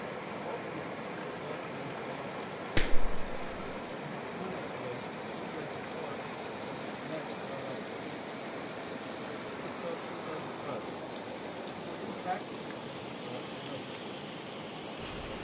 Alternate the two above mental commands, and with one exhalation stimulate the part and with the next drive out the pain. Keep this up for seven breaths, then practice the Cleansing Breath and rest a while.